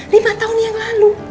lima tahun yang lalu